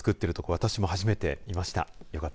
私も初めて見ました。